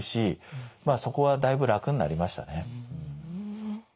まあそこはだいぶ楽になりましたね。